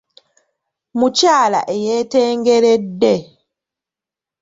Mukyala eyeetengeredde.